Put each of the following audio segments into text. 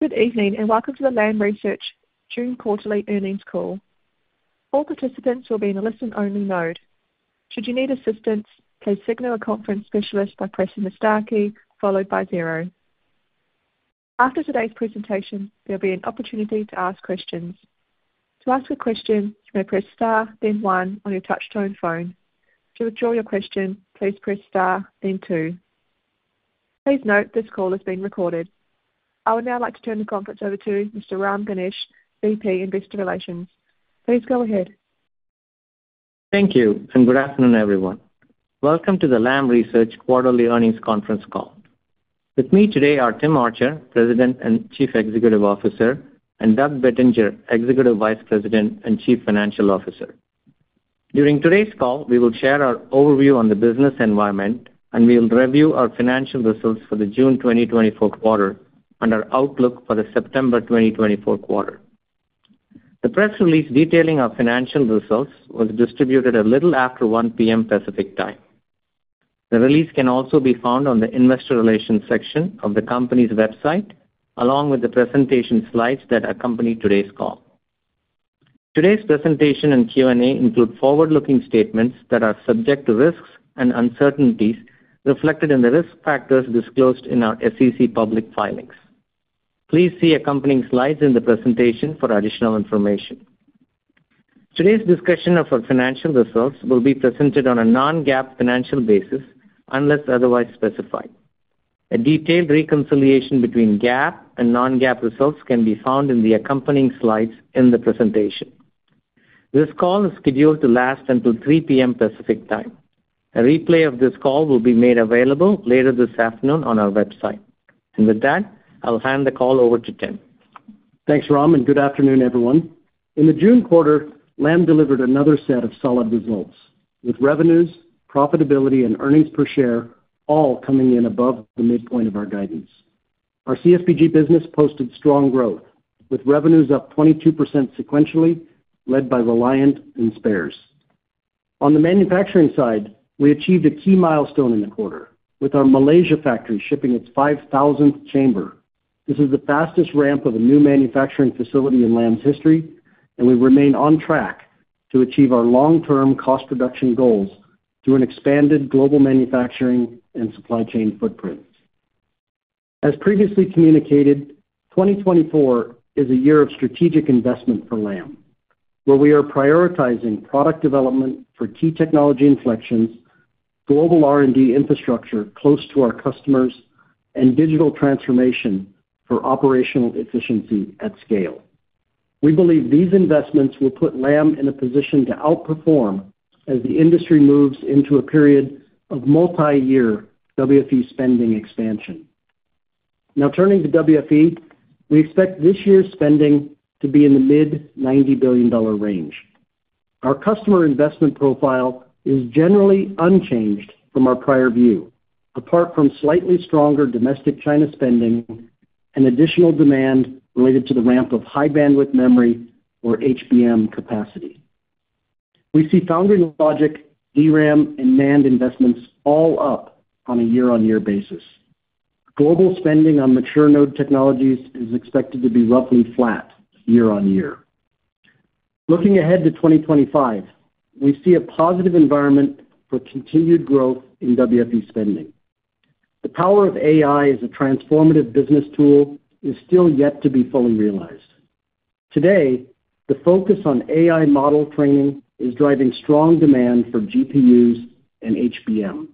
Good evening and welcome to the Lam Research June Quarterly Earnings Call. All participants will be in a listen only mode. Should you need assistance, please signal a conference specialist by pressing the star key followed by zero. After today's presentation, there will be an opportunity to ask questions. To ask a question, you may press Star then one on your touchtone phone. To withdraw your question, please press Star then two. Please note this call has been recorded. I would now like to turn the conference over to Mr. Ram Ganesh, VP of Investor Relations. Please go ahead. Thank you and good afternoon everyone. Welcome to the Lam Research Quarterly Earnings Conference Call. With me today are Tim Archer, President and Chief Executive Officer, and Doug Bettinger, Executive Vice President and Chief Financial Officer. During today's call we will share our overview on the business environment and we will review our financial results for the June 2024 quarter and our outlook for the September 2024 quarter. The press release detailing our financial results was distributed a little after 1:00 P.M. Pacific time. The release can also be found on the Investor Relations section of the Company's website along with the presentation slides that accompany today's call. Today's presentation and Q and A include forward-looking statements that are subject to risks and uncertainties reflected in the risk factors disclosed in our SEC public filings. Please see accompanying slides in the presentation for additional information. Today's discussion of our financial results will be presented on a non-GAAP financial basis unless otherwise specified. A detailed reconciliation between GAAP and non-GAAP results can be found in the accompanying slides in the presentation. This call is scheduled to last until 3:00 P.M. Pacific time. A replay of this call will be made available later this afternoon on our website and with that I'll hand the call over to Tim. Thanks Ram and good afternoon everyone. In the June quarter, Lam delivered another set of solid results with revenues, profitability and earnings per share all coming in above the midpoint of our guidance. Our CSBG business posted strong growth with revenues up 22%, sequentially led by Reliant and Spares. On the manufacturing side, we achieved a key milestone in the quarter with our Malaysia factory shipping its 5,000th chamber. This is the fastest ramp of a new manufacturing facility in Lam's history and we remain on track to achieve our long term cost reduction goals through an expanded global manufacturing and supply chain footprint. As previously communicated, 2024 is a year of strategic investment for Lam where we are prioritizing product development for key technology inflections, global R&D infrastructure close to our customers and digital transformation for operational efficiency at scale. We believe these investments will put Lam in a position to outperform as the industry moves into a period of multi-year WFE spending expansion. Now turning to WFE, we expect this year's spending to be in the mid-$90 billion range. Our customer investment profile is generally unchanged from our prior view. Apart from slightly stronger domestic China spending and additional demand related to the ramp of high bandwidth memory or HBM capacity, we see foundry logic, DRAM and NAND investments all up on a year-on-year basis. Global spending on mature node technologies is expected to be roughly flat year-on-year. Looking ahead to 2025, we see a positive environment for continued growth in WFE spending. The power of AI as a transformative business tool is still yet to be fully realized. Today the focus on AI model training is driving strong demand for GPUs and HBM.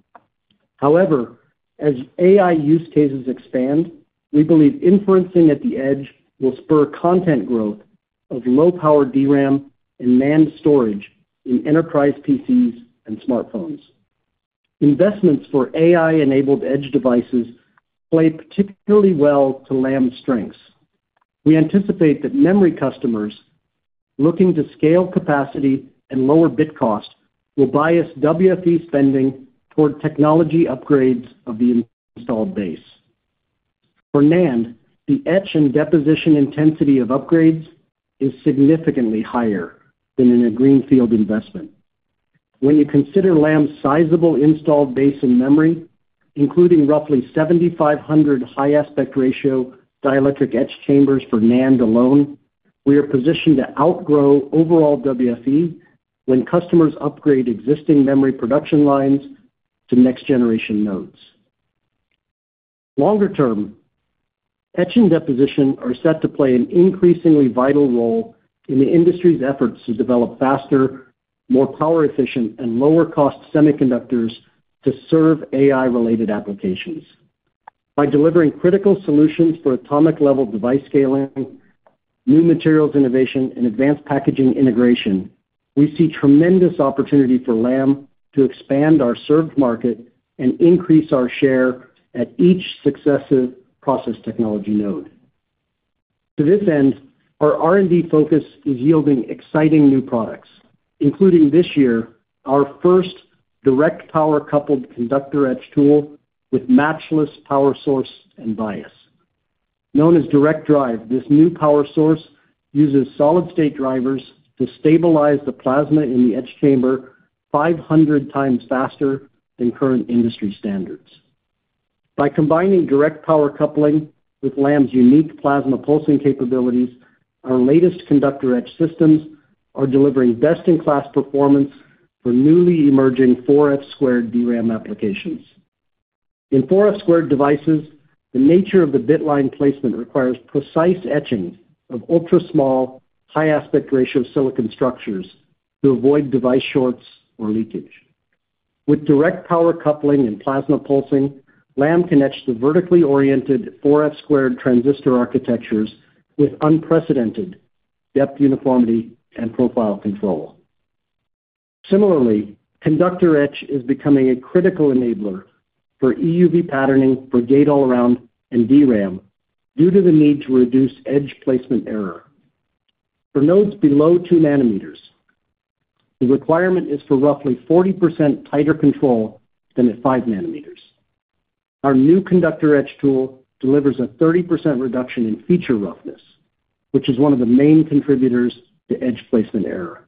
However, as AI use cases expand, we believe inferencing at the edge will spur consumption growth of low-power DRAM and NAND storage in enterprise PCs and smartphones. Investments for AI-enabled edge devices play particularly well to Lam's strengths. We anticipate that memory customers looking to scale capacity and lower bit cost will bias WFE spending toward technology upgrades of the installed base for NAND. The etch and deposition intensity of upgrades is significantly higher than in a greenfield investment when you consider Lam's sizable installed base in memory including roughly 7,500 high-aspect-ratio dielectric etch chambers for NAND alone. We are positioned to outgrow overall WFE when customers upgrade existing memory production lines to next-generation nodes. Longer term etch and deposition are set to play an increasingly vital role in the industry's efforts to develop faster, more power efficient and lower cost semiconductors to serve AI related applications. By delivering critical solutions for atomic level device scaling, new materials innovation and advanced packaging integration, we see tremendous opportunity for Lam to expand our served market and increase our share at each successive process technology node. To this end, our R&D focus is yielding exciting new products including this year our first direct power coupled conductor etch tool with matchless power source and bias. Known as DirectDrive, this new power source uses solid state drivers to stabilize the plasma in the etch chamber 500 times faster than current industry standards. By combining direct power coupling with Lam's unique plasma pulsing capabilities, our latest conductor etch systems are delivering best-in-class performance for newly emerging 4F squared DRAM applications. In 4F squared devices, the nature of the bit line placement requires precise etching of ultra small high aspect ratio silicon structures to avoid device shorts or leakage. With direct power coupling and plasma pulsing, Lam connects the vertically oriented 4F squared transistor architectures with unprecedented depth, uniformity and profile control. Similarly, conductor etch is becoming a critical enabler for EUV patterning for gate-all-around and DRAM. Due to the need to reduce edge placement error for nodes below 2nm, the requirement is for roughly 40% tighter control than at 5nm. Our new conductor etch tool delivers a 30% reduction in feature roughness, which is one of the main contributors to edge placement error.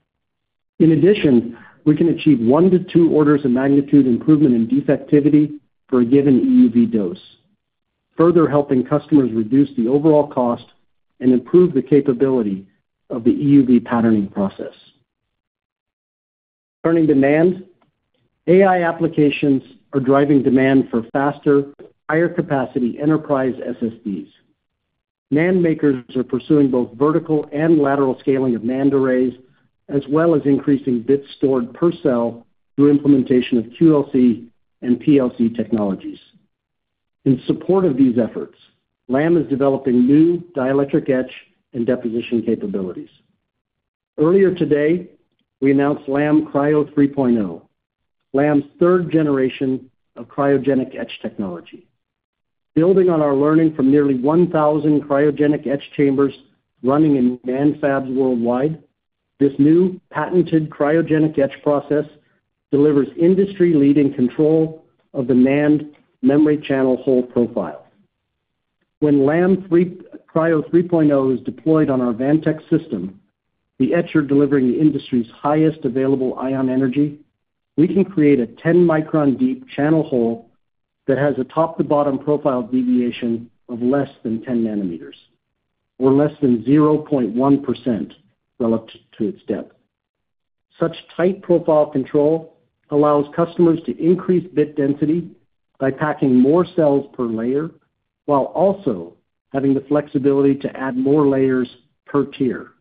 In addition, we can achieve 1-2 orders of magnitude improvement in defectivity for a given EUV dose, further helping customers reduce the overall cost and improve the capability of the EUV patterning process. Turning to NAND, AI applications are driving demand for faster, higher-capacity enterprise SSDs. NAND makers are pursuing both vertical and lateral scaling of NAND arrays as well as increasing bits stored per cell through implementation of QLC and PLC technologies. In support of these efforts, Lam is developing new dielectric etch and deposition capabilities. Earlier today we announced Lam Cryo 3.0, Lam's third generation of cryogenic etch technology. Building on our learnings from nearly 1,000 cryogenic etch chambers running in NAND fabs worldwide, this new patented cryogenic etch process delivers industry-leading control of the NAND memory channel hole profile. When Lam Cryo 3.0 is deployed on our Vantex system, the etcher delivering the industry's highest available ion energy, we can create a 10 micron deep channel hole that has a top to bottom profile deviation of less than 10nm or less than 0.1% relative to its depth. Such tight profile control allows customers to increase bit density by packing more cells per layer while also having the flexibility to add more layers per tier.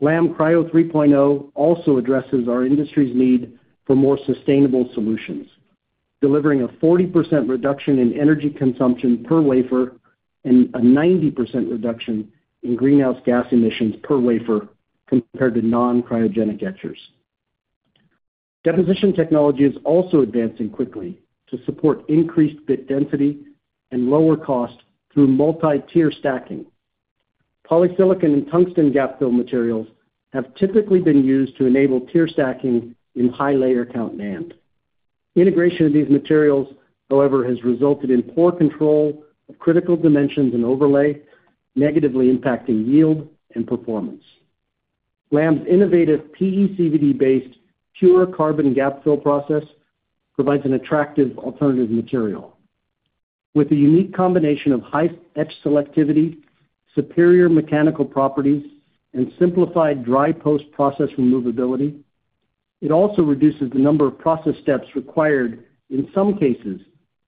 Lam Cryo 3.0 also addresses our industry's need for more sustainable solutions, delivering a 40% reduction in energy consumption per wafer and a 90% reduction in greenhouse gas emissions per wafer compared to non cryogenic etchers. Deposition technology is also advancing quickly to support increased bit density and lower cost through multi tier stacking. Polysilicon and tungsten gap fill materials have typically been used to enable tier stacking in high layer count. NAND integration of these materials, however, has resulted in poor control of critical dimensions and overlay, negatively impacting yield and performance. Lam's innovative PECVD-based pure carbon gap fill process provides an attractive alternative material with a unique combination of high etch selectivity, superior mechanical properties, and simplified dry post-process removability. It also reduces the number of process steps required in some cases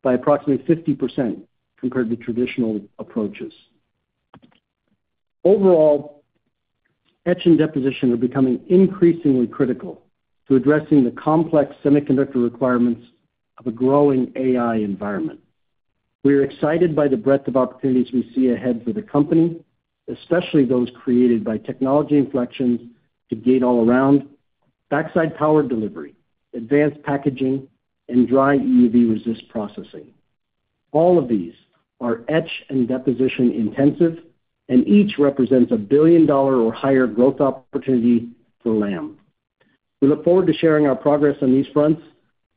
by approximately 50% compared to traditional approaches. Overall, etch and deposition are becoming increasingly critical to addressing the complex semiconductor requirements of a growing AI environment. We are excited by the breadth of opportunities we see ahead for the company, especially those created by technology inflections to gate-all-around backside power delivery, advanced packaging, and dry EUV resist processing. All of these are etch- and deposition-intensive, and each represents a billion-dollar or higher growth opportunity for Lam. We look forward to sharing our progress on these fronts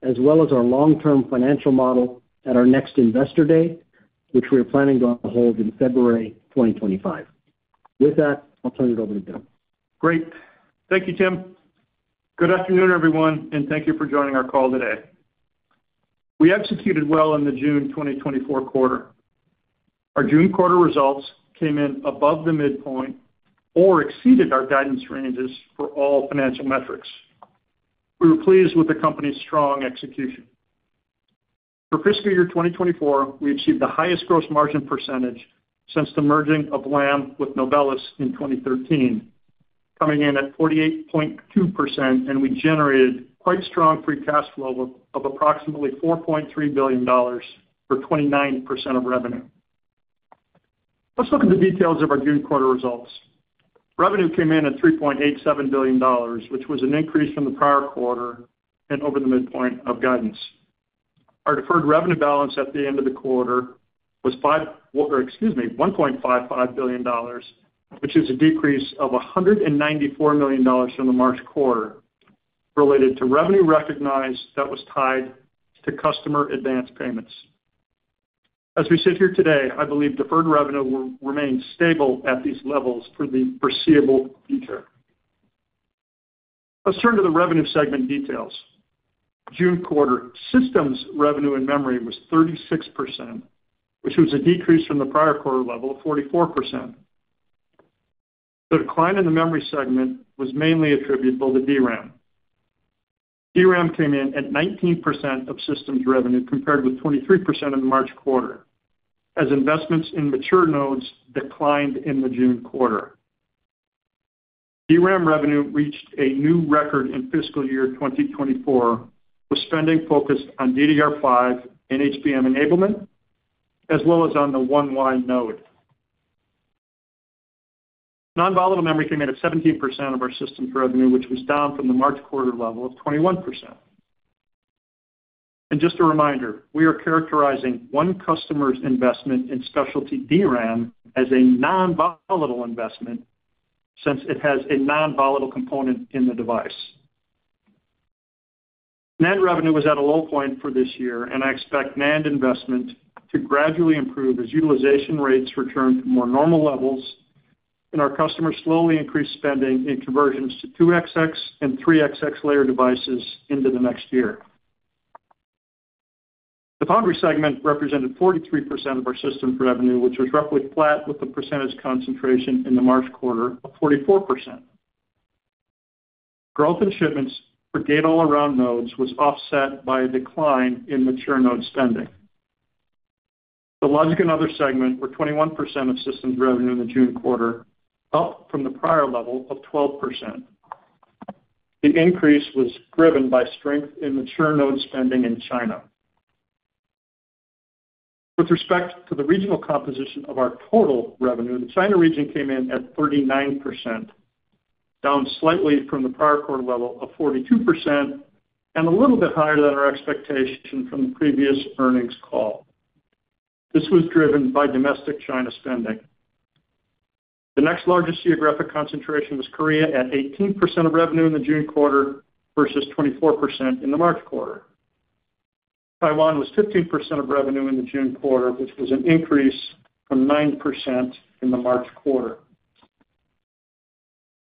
as well as our long term financial model at our next Investor Day, which we are planning to hold in February 2025. With that, I'll turn it over to Bill. Great. Thank you, Tim. Good afternoon, everyone, and thank you for joining our call today. We executed well in the June 2024 quarter. Our June quarter results came in above the midpoint, or exceeded our guidance ranges for all financial metrics. We were pleased with the company's strong execution for fiscal year 2024. We achieved the highest gross margin percentage since the merging of Lam with Novellus in 2013, coming in at 48.2%, and we generated quite strong free cash flow of approximately $4.3 billion for 29% of revenue. Let's look at the details of our June quarter results. Revenue came in at $3.87 billion, which was an increase from the prior quarter and over the midpoint of guidance. Our deferred revenue balance at the end of the quarter was $1.55 billion, which is a decrease of $194 million from the March quarter related to revenue recognized that was tied to customer advance payments. As we sit here today, I believe deferred revenue will remain stable at these levels for the foreseeable future. Let's turn to the revenue segment details. June quarter Systems revenue in memory was 36%, which was a decrease from the prior quarter level of 44%. The decline in the memory segment was mainly attributable to DRAM. DRAM came in at 19% of systems revenue, compared with 23% in the March quarter as investments in mature nodes declined in the June quarter. DRAM revenue reached a new record in fiscal year 2024 with spending focused on DDR5 and HBM enablement as well as on the 1Y node. Non-volatile memory came in at 17% of our system's revenue, which was down from the March quarter level of 21%. Just a reminder, we are characterizing one customer's investment in specialty DRAM as a non-volatile investment since it has a non-volatile component in the device. NAND revenue was at a low point for this year and I expect NAND investment to gradually improve as utilization rates return to more normal levels and our customers slowly increase spending in conversions to 2xx and 3xx layer devices into the next year. The foundry segment represented 43% of our systems revenue, which was roughly flat with the percentage concentration in the March quarter of 44%. Growth in shipments for gate-all-around nodes was offset by a decline in mature node spending. The Logic and other segments were 21% of systems revenue in the June quarter, up from the prior level of 12%. The increase was driven by strength in mature node spending in China. With respect to the regional composition of our total revenue, the China region came in at 39%, down slightly from the prior quarter level of 42% and a little bit higher than our expectation from the previous earnings call. This was driven by domestic China spending. The next largest geographic concentration was Korea at 18% of revenue in the June quarter versus 24% in the March quarter. Taiwan was 15% of revenue in the June quarter, which was an increase from 9% in the March quarter.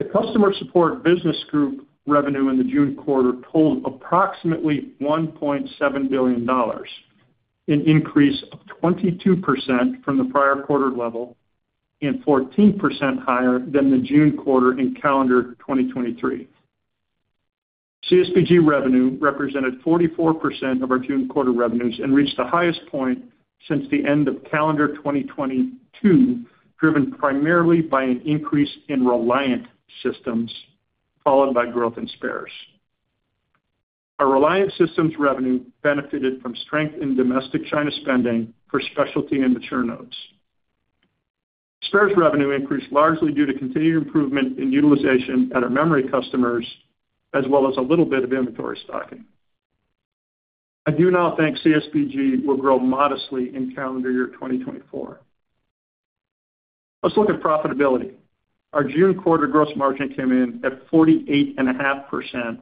The Customer Support Business Group revenue in the June quarter totaled approximately $1.7 billion, an increase of 22% from the prior quarter level and 14% higher than the June quarter. In calendar 2023, CSBG revenue represented 44% of our June quarter revenues and reached the highest point since the end of calendar 2022, driven primarily by an increase in Reliant systems followed by growth in spares. Our Reliant systems revenue benefited from strength in domestic China spending for specialty and mature nodes. Spares revenue increased largely due to continued improvement in utilization at our memory customers as well as a little bit of inventory stocking. I do now think CSBG will grow modestly in calendar year 2024. Let's look at profitability. Our June quarter gross margin came in at 48.5%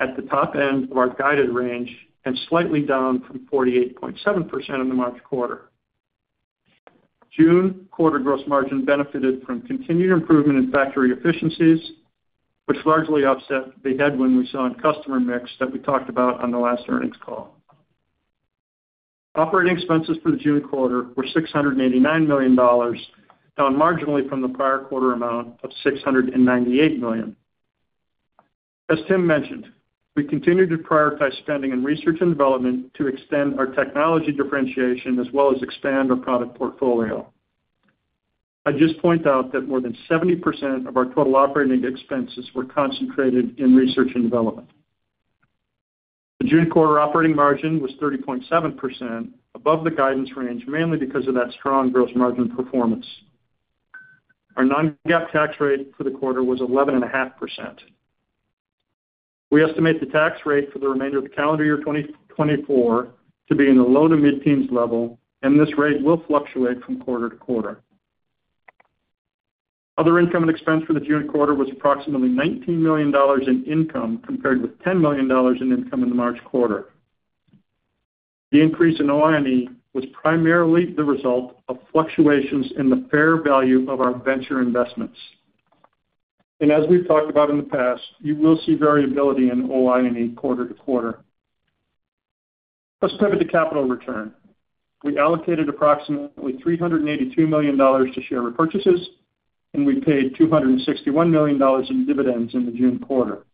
at the top end of our guided range and slightly down from 48.7% in the March quarter. June quarter gross margin benefited from continued improvement in factory efficiencies, which largely offset the headwind we saw in customer mix that we talked about on the last earnings call. Operating expenses for the June quarter were $689 million, down marginally from the prior quarter amount of $698 million. As Tim mentioned, we continue to prioritize spending in research and development to extend our technology differentiation as well as expand our product portfolio. I'd just point out that more than 70% of our total operating expenses were concentrated in research and development. The June quarter operating margin was 30.7% above the guidance range, mainly because of that strong gross margin performance. Our non-GAAP tax rate for the quarter was 11.5%. We estimate the tax rate for the remainder of the calendar year 2024 to be in the low- to mid-teens level and this rate will fluctuate from quarter to quarter. Other income and expense for the June quarter was approximately $19 million in income compared with $10 million in income in the March quarter. The increase in OI&E was primarily the result of fluctuations in the fair value of our venture investments and as we've talked about in the past, you will see variability in OI&E quarter-to-quarter. Let's pivot to capital return. We allocated approximately $382 million to share repurchases and we paid $261 million in dividends in the June quarter.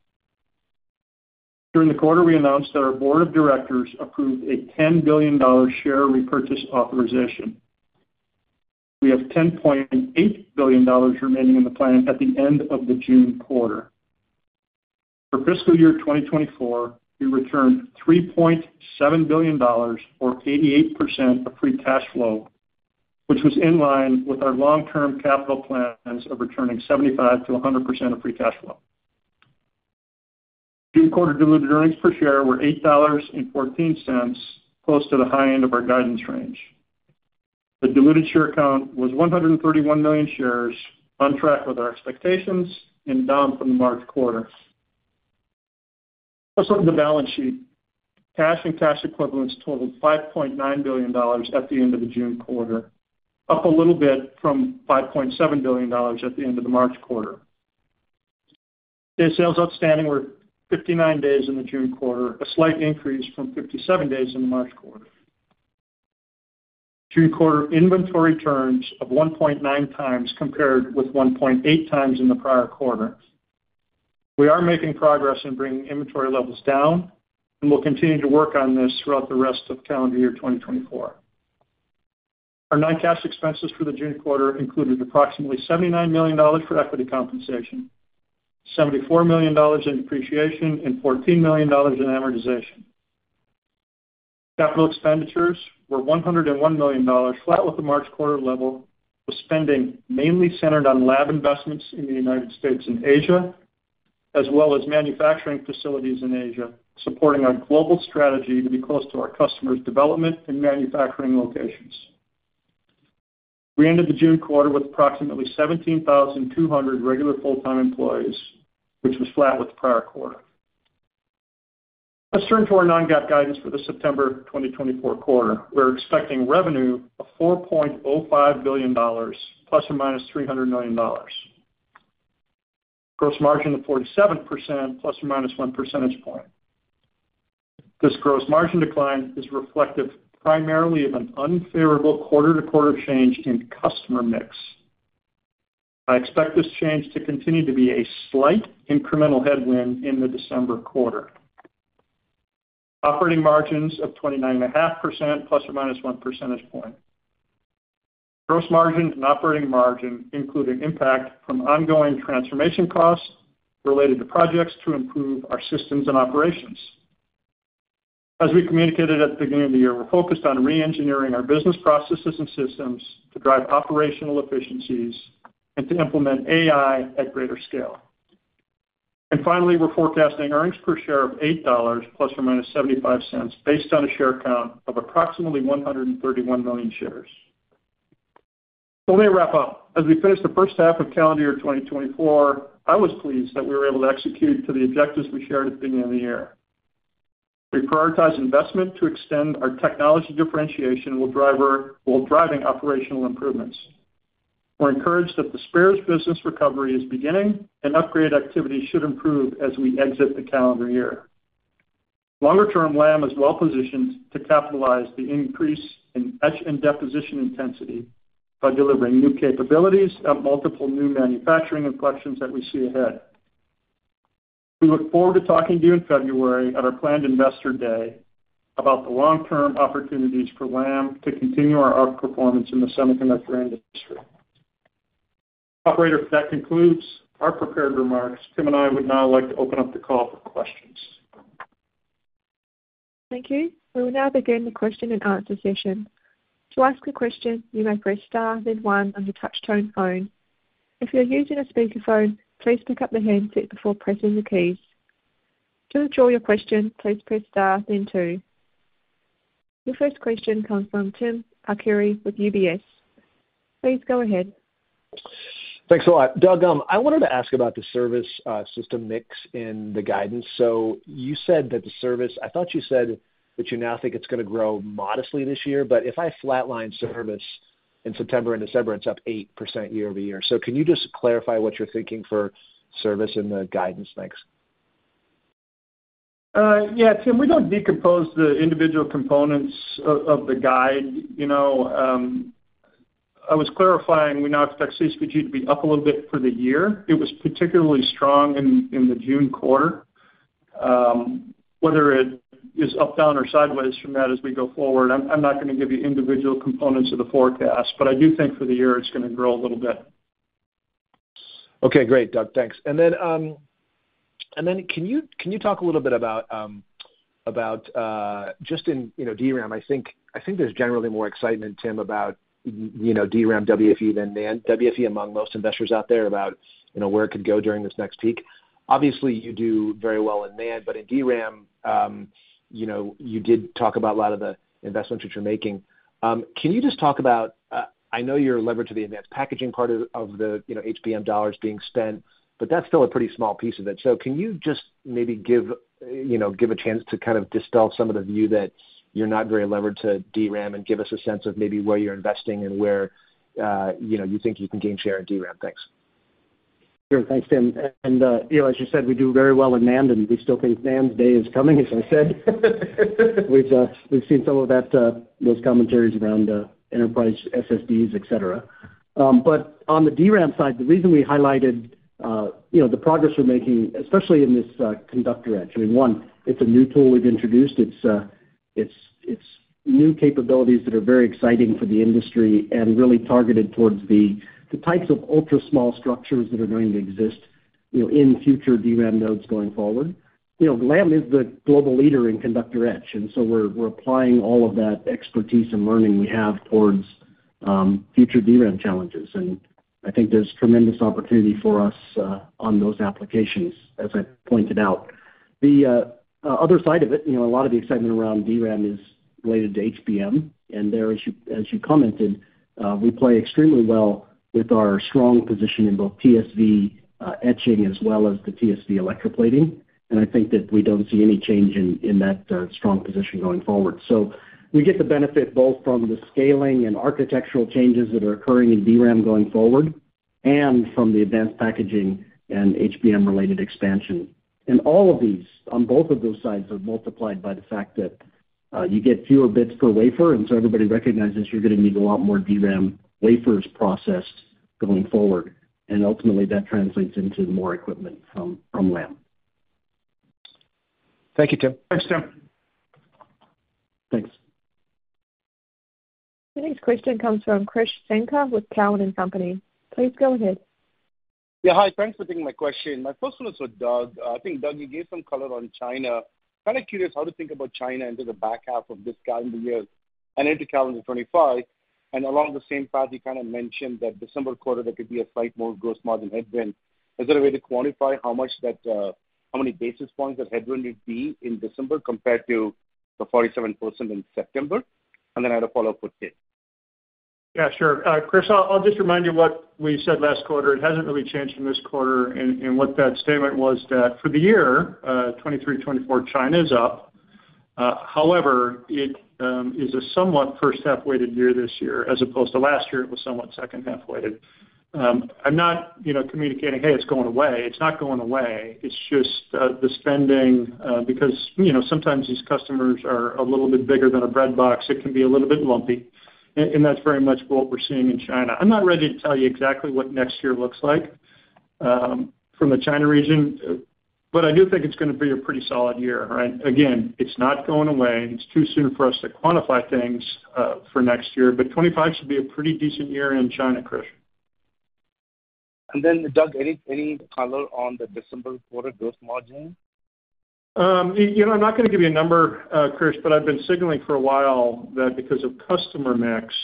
During the quarter we announced that our Board of Directors approved a $10 billion share repurchase authorization. We have $10.8 billion remaining in the plan at the end of the June quarter. For fiscal year 2024, we returned $3.7 billion or 88% of free cash flow, which was in line with our long-term capital plans of returning 75%-100% of free cash flow. June quarter diluted earnings per share were $8.14, close to the high end of our guidance range. The diluted share count was 131 million shares, on track with our expectations and down from the March quarter. Let's look at the balance sheet. Cash and cash equivalents totaled $5.9 billion at the end of the June quarter, up a little bit from $5.7 billion at the end of the March quarter. Day sales outstanding were 59 days in the June quarter, a slight increase from 57 days in the March quarter. June quarter inventory turns of 1.9 times compared with 1.8 times in the prior quarter. We are making progress in bringing inventory levels down and we'll continue to work on this throughout the rest of calendar year 2024. Our non-cash expenses for the June quarter included approximately $79 million for equity compensation, $74 million in depreciation and $14 million in amortization. Capital expenditures were $101 million flat with the March quarter level, with spending mainly centered on lab investments in the United States and Asia as well as manufacturing facilities in Asia, supporting our global strategy to be close to our customers, development and manufacturing locations. We ended the June quarter with approximately 17,200 regular full-time employees, which was flat with the prior quarter. Let's turn to our non-GAAP guidance. For the September 2024 quarter, we're expecting revenue of $4.05 billion ±$300 million. Gross margin of 47% ±1 percentage point. This gross margin decline is reflective primarily of an unfavorable quarter-to-quarter change in customer mix. I expect this change to continue to be a slight incremental headwind in the December quarter. Operating margins of 29.5% ± 1 percentage point, gross margin and operating margin, including impact from ongoing transformation costs related to projects to improve our systems and operations. As we communicated at the beginning of the year, we're focused on re-engineering our business processes and systems to drive operational efficiencies and to implement AI at greater scale. Finally, we're forecasting earnings per share of $8 ± $0.75 based on a share count of approximately 131 million shares. Let me wrap up. As we finished the first half of calendar year 2024, I was pleased that we were able to execute to the objectives we shared at the beginning of the year. We prioritize investment to extend our technology differentiation while driving operational improvements. We're encouraged that the spares business recovery is beginning and upgrade activity should improve as we exit the calendar year. Longer term, Lam is well positioned to capitalize the increase in etch and deposition intensity by delivering new capabilities at multiple new manufacturing inflections that we see ahead. We look forward to talking to you in February at our planned investor day about the long term opportunities for Lam to continue our outperformance in the semiconductor industry. Operator, that concludes our prepared remarks. Tim and I would now like to open up the call for questions. Thank you. We will now begin the question and answer session. To ask a question, you may press Star then one on your touchtone phone. If you are using a speakerphone, please pick up the handset before pressing the keys. To withdraw your question, please press Star then two. Your first question comes from Tim. Please go ahead. Thanks a lot, Doug. I wanted to ask about the service. System mix in the guidance. So you said that the service. I thought you said that you now think it's going to grow modestly this year, but if I flatline service in September and December, it's up 8% year-over-year. So can you just clarify what you're thinking for service and the guidance? Thanks. Yeah, Tim, we don't decompose the individual components of the guide. I was clarifying we now expect CSBG to be up a little bit for the year. It was particularly strong in the June quarter. Whether it is up, down or sideways from that as we go forward, I'm not going to give you individual components of the forecast, but I do think for the year it's going to grow a little bit. Okay, great, Doug, thanks. And then can you talk a little? Bit about. Just in DRAM? I think, I think there's generally more excitement, Tim, about DRAM WFE than NAND WFE among most investors out there about where it could go during this next peak. Obviously you do very well in NAND, but in DRAM you did talk about a lot of the investments that you're making. Can you just talk about, I know you're leveraging the advanced packaging part of the HBM dollars being spent, but that's still a pretty small piece of it. So can you just maybe give a chance to kind of dispel some of the view that you're not very levered to DRAM and give us a sense of maybe where you're investing and where you think you can gain share in DRAM? Thanks. Sure. Thanks Tim. And as you said, we do very well in NAND and we still think NAND day is coming. As I said, we've seen some of those commentaries around enterprise SSDs et cetera. But on the DRAM side, the reason we highlighted the progress we're making especially in this conductor etch one, it's a new tool we've introduced, it's new capabilities that are very exciting for the industry and really targeted towards the types of ultra small structures that are going to exist in future DRAM nodes going forward. Lam is the global leader in conductor etch and so we're applying all of that expertise and learning we have towards future DRAM challenges and I think there's tremendous opportunity for us on those applications. As I pointed out the other side of it, you know, a lot of the excitement around DRAM is related to HBM and there, as you commented, we play extremely well with our strong position in both TSV etching as well as the TSV electroplating. And I think that we don't see any change in that strong position going forward. So we get the benefit both from the scaling and architectural changes that are occurring in DRAM going forward and from the advanced packaging and HBM related expansion. And all of these on both of those sides are multiplied by the fact that you get fewer bits per wafer. And so everybody recognizes you're going to need a lot more DRAM wafers processed going forward. And ultimately that translates into more equipment from Lam. Thank you, Tim. Thanks, Tim. Thanks. The next question comes from Krish Sankar with Cowen and Company. Please go ahead. Yeah, hi. Thanks for taking my question. My first one is for Doug. I think, Doug, you gave some color on China. Kind of curious how to think about China into the back half of this calendar year and into calendar 2025. And along the same path you kind of mentioned that December quarter there could be a slight more gross margin headwind. Is there a way to quantify how? Many basis points that headwind would be in December compared to the 47% in September? Then I had a follow-up with Uncertain. Yeah, sure, Krish. I'll just remind you what we said last quarter. It hasn't really changed from this quarter, and what that statement was that for the year 23-24, China is up. However, it is a somewhat first half weighted year. This year, as opposed to last year, it was somewhat second half weighted. I'm not communicating, "Hey, it's going away." It's not going away. It's showing just the spending because sometimes these customers are a little bit bigger than a breadbox. It can be a little bit lumpy, and that's very much what we're seeing in China. I'm not ready to tell you exactly what next year looks like from the China region, but I do think it's going to be a pretty solid year. Again, it's not going away. It's too soon for us to quantify things for next year. 2025 should be a pretty decent year in China. Krish. Doug, any color on the December quarter gross margin? You know, I'm not going to give you a number, Krish, but I've been signaling for a while that because of customer mix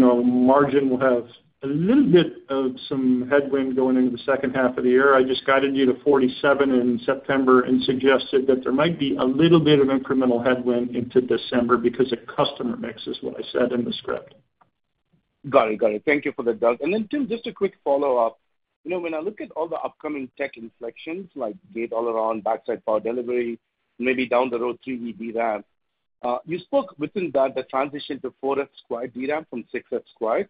margin will have a little bit of some headwind going into the second half of the year. I just guided you to 47 in September and suggested that there might be a little bit of incremental headwind into December because it could customer mix is what I said in the script. Got it, got it. Thank you for that, Doug. And then Tim, just a quick follow-up. You know, when I look at all the upcoming tech inflections like Gate-All-Around, Backside Power Delivery, maybe down the road, 3D DRAM, you spoke within that the transition to 4F Squared DRAM from 6F Squared,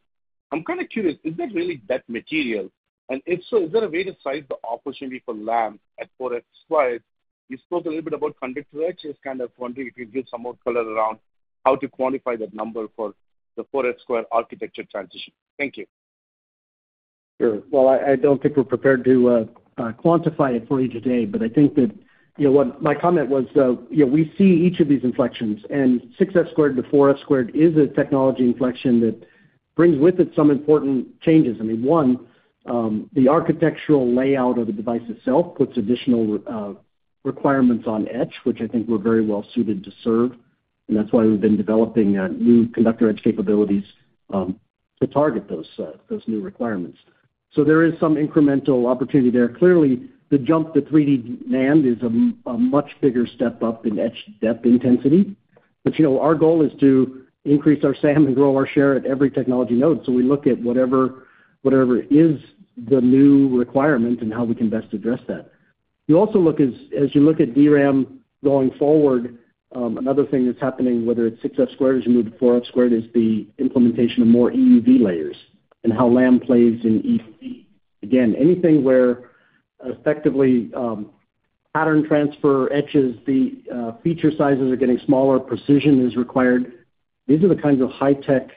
I'm kind of curious, is that really that material and if so, is there a way to size the opportunity for Lam at 4F Squared? You spoke a little bit about conductor etch. Just kind of wondering if you could give some more color around how to quantify that number for the 4F Squared architecture transition. Thank you. Sure. Well, I don't think we're prepared to quantify it for you today, but I think that my comment was we see each of these inflections, and 6F squared to 4F squared is a technology inflection that brings with it some important changes. I mean, one, the architectural layout of the device itself puts additional requirements on etch, which I think we're very well suited to serve. And that's why we've been developing new conductor etch capabilities to target those new requirements. So there is some incremental opportunity there. Clearly the jump to 3D NAND is a much bigger step up in etch depth intensity. But you know, our goal is to increase our SAM and grow our share at every technology node. So we look at whatever is the new requirement and how we can best address that. You also look as you look at DRAM going forward. Another thing that's happening, whether it's 6F squared as you move to 4F squared, is the implementation of more EUV layers and how LAM plays in EUV. Again, anything where effectively pattern transfer, etches, the feature sizes are getting smaller, precision is required. These are the kinds of high tech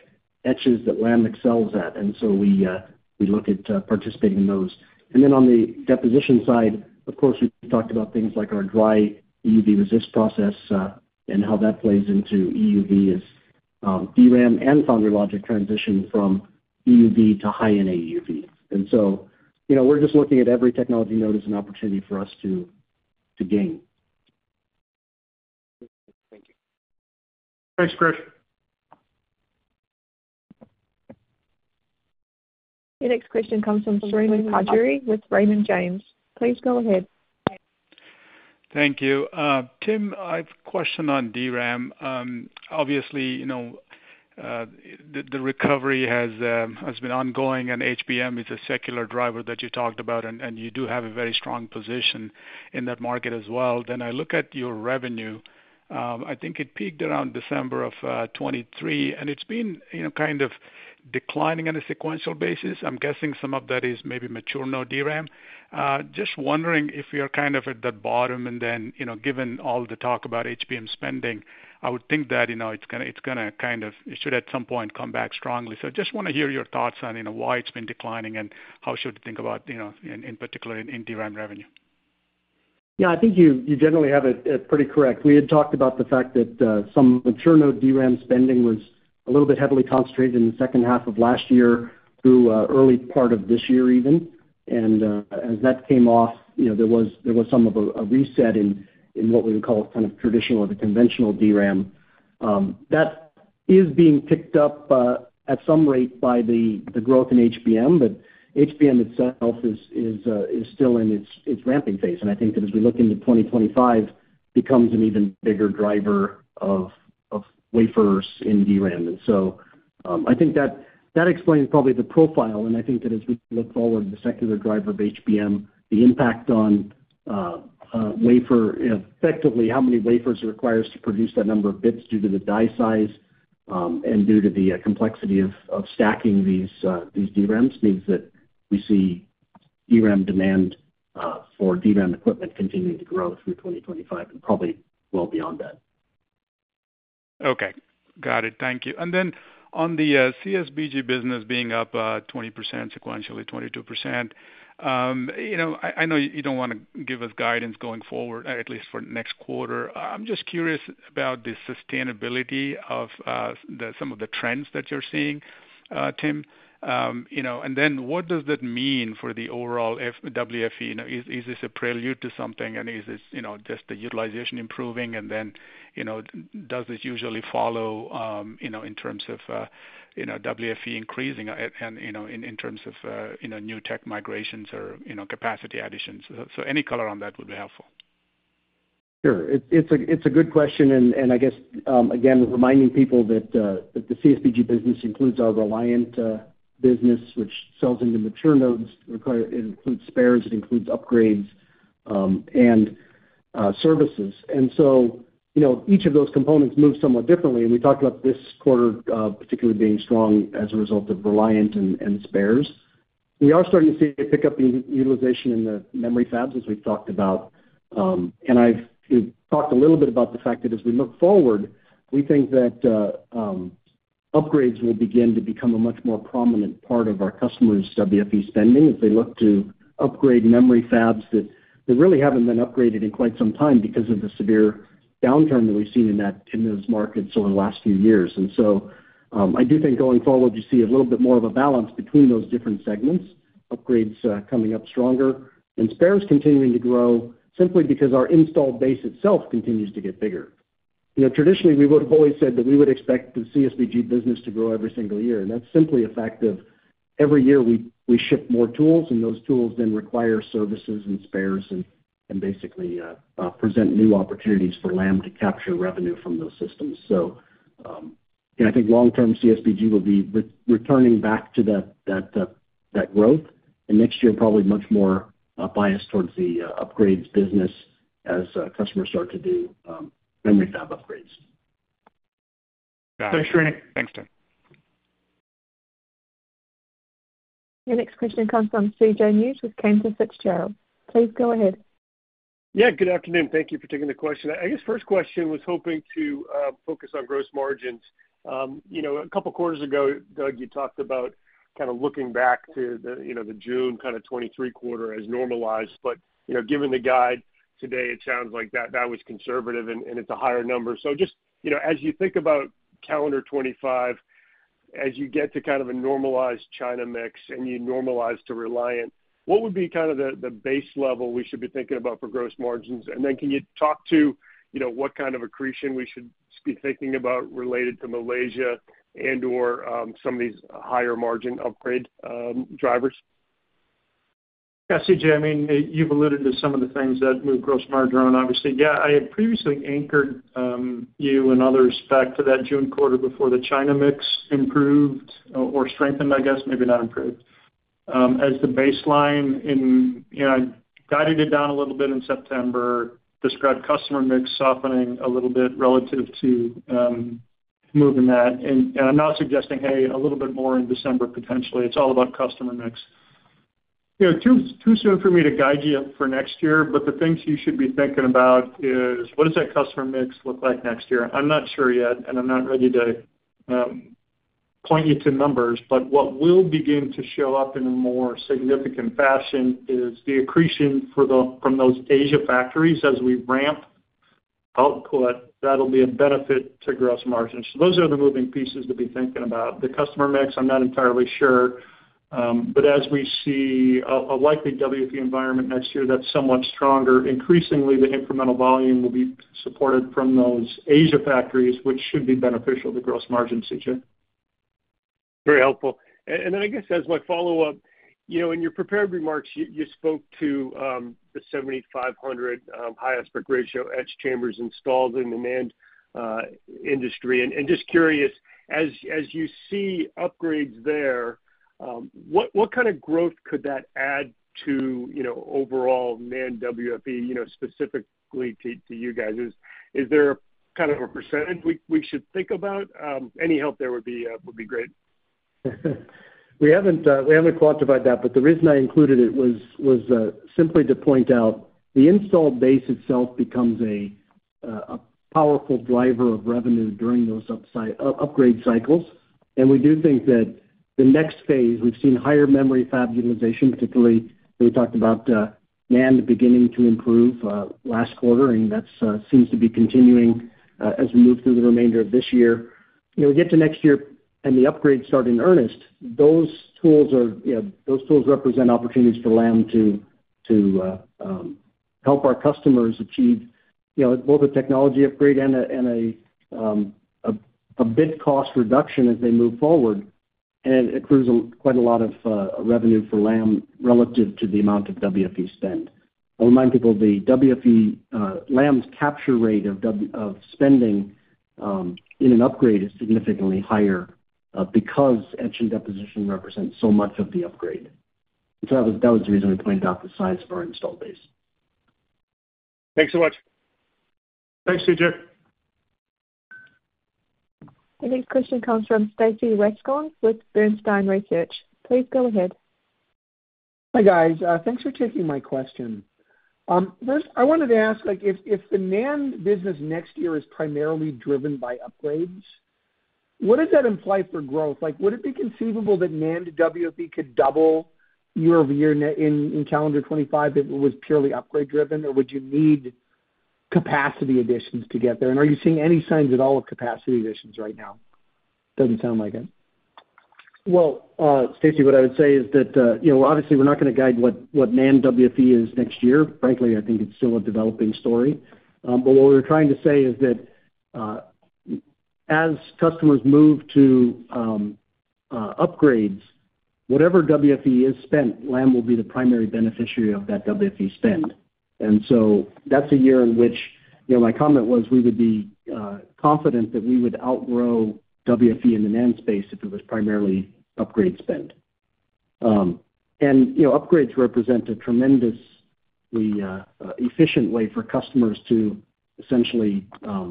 that LAM excels at. And so we look at participating in those. And then on the deposition side, of course, we talked about things like our dry EUV resist process and how that plays into EUV as DRAM and foundry logic transition from EUV to high-NA EUV. And so we're just looking at every technology node as an opportunity for us to gain. Thanks, Chris. Your next question comes from Srini Pajjuri with Raymond James. Please go ahead. Thank you. Tim, I have a question on DRAM. Obviously the recovery has been ongoing and HBM is a secular driver that you talked about and you do have a very strong position in that market as well. Then I look at your revenue. I think it peaked around December 2023 and it's been kind of declining on a sequential basis. I'm guessing some of that is maybe mature node DRAM. Just wondering if you're kind of at the bottom. And then given all the talk about HBM spending, I would think that it's going to kind of shoot at some point come back strongly. So I just want to hear your thoughts on why it's been declining and how should we think about in particular in DRAM revenue. Yeah, I think you generally have it pretty correct. We had talked about the fact that some mature node DRAM spending was a little bit heavily concentrated in the second half of last year through early part of this year even. And as that came off, there was some of a reset in what we would call kind of traditional or the conventional DRAM that is being picked up at some rate by the growth in HBM. But HBM itself is still in its ramping phase. And I think that as we look into 2025 becomes an even bigger driver of wafers in DRAM. And so I think that explains probably the profile. I think that as we look forward, the secular driver of HBM, the impact on wafer, effectively, how many wafers requires to produce that number of bits due to the die size and due to the complexity of stacking these DRAMs, means that we see DRAM demand for DRAM equipment continuing to grow through 2025 and probably well beyond that. Okay, got it, thank you. And then on the CSBG business being up 20% sequentially, 22%. I know you don't want to give us guidance going forward, at least for next quarter. I'm just curious about the sustainability of some of the trends that you're seeing, Tim. And then what does that mean for the overall WFE? Is this a prelude to something? And is this just the utilization improving? And then does this usually follow in terms of WFE increasing, in terms of new tech migrations or capacity additions? So any color on that would be helpful. Sure, it's a good question. And I guess again, reminding people that the CSBG business includes our Reliant business, which sells into mature nodes, it includes spares, it includes upgrades and services. And so each of those components move somewhat differently. And we talked about this quarter particularly being strong as a result of Reliant and spares. We are starting to see a pickup in utilization in the memory fabs as we've talked about. And I've talked a little bit about the fact that as we look forward, we think that upgrades will begin to become a much more prominent part of our customers WFE spending as they look to upgrade memory fabs that really haven't been upgraded in quite some time because of the severe downturn that we've seen in those markets over the last few years. And so I do think going forward you see a little bit more of a balance between those different segments. Upgrades coming up stronger and spares continuing to grow simply because our installed base itself continues to get bigger. Traditionally we would have always said that we would expect the CSBG business to grow every single year. And that's simply a fact of every year we ship more tools and those tools then require services and spares and basically present new opportunities for Lam to capture revenue from those systems. So I think long-term CSBG will be returning back to that growth and next year probably much more biased towards the upgrades business as customers start to do memory fab upgrades. Thanks Srini. Thanks Tim. Your next question comes from C.J. Muse with Cantor Fitzgerald, please go ahead. Yeah, good afternoon. Thank you for taking the question. I guess first question was hoping to focus on gross margins. A couple quarters ago, Doug, you talked about kind of looking back to the June kind of 2023 quarter as normalized, but given the guide today, it sounds like that was conservative and it's a higher number. So just as you think about calendar 2025, as you get to kind of a normalized China mix and you normalize to Reliant what would be kind of the base level we should be thinking about for gross margins and then can you talk to, you know, what kind of accretion we should be thinking about related to Malaysia and or some of these higher margin upgrade drivers? C.J., I mean you've alluded to some of the things that move gross margin obviously. Yeah. I had previously anchored you and others back to that June quarter before the China mix improved or strengthened, I guess, maybe not improved, as the baseline and guided it down a little bit in September, described customer mix softening a little bit relative to moving that, and I'm not suggesting, hey, a little bit more in December. Potentially it's all about customer mix, too soon for me to guide you for next year. But the things you should be thinking about is what does that customer mix look like next year. I'm not sure yet, and I'm not ready to point you to numbers. But what will begin to show up in a more significant fashion is the accretion from those Asia factories as we ramp output, that will be a benefit to gross margins. So those are the moving pieces to be thinking about, the customer mix. I'm not entirely sure. But as we see a likely WFE environment next year that's somewhat stronger, increasingly the incremental volume will be supported from those Asia factories which should be beneficial to gross margin. C.J. Very helpful. Then I guess as my follow up, you know, in your prepared remarks you spoke to the 7,500 high aspect ratio etch chambers installed in the NAND industry and just curious. As you see upgrades there, what kind of growth could that add to, you know, overall NAND WFE, you know, specifically to you guys, is there kind of a percentage we should think about? Any help there would be great. We haven't quantified that, but the reason I included it was simply to point out the install base itself becomes a powerful driver of revenue during those upgrade cycles. And we do think that the next phase we've seen higher memory fab utilization particularly we talked about NAND beginning to improve last quarter and that seems to be continuing as we move through the remainder of this year, we get to next year and the upgrades start in earnest. Those tools represent opportunities for Lam to help our customers achieve both a technology upgrade and a bit cost reduction as they move forward and accrues quite a lot of revenue for Lam relative to the amount of WFE spend. I'll remind people the WFE Lam's capture rate of spending in an upgrade is significantly higher because etch and deposition represents so much of the upgrade. That was the reason we pointed out the size of our installed base. Thanks so much. Thanks, C.J. The next question comes from Stacy Rasgon with Bernstein Research. Please go ahead. Hi guys. Thanks for taking my question. First, I wanted to ask if the. NAND business next year is primarily driven by upgrades. What does that imply for growth? Like, would it be conceivable that NAND WFE could double year-over-year net in calendar 2025 if it was purely upgrade driven? Or would you need capacity additions to get there? And are you seeing any signs at all of capacity additions right now? Doesn't sound like it. Well, Stacy, what I would say is that obviously we're not going to guide what NAND WFE is next year. Frankly, I think it's still a developing story. But what we're trying to say is that as customers move to upgrades, whatever WFE is spent, LAM will be the primary beneficiary of that WFE spend. And so that's a year in which my comment was we would be confident that we would outgrow WFE in the NAND space if it was primarily upgrade spend, and upgrades represent a tremendously efficient way for customers to essentially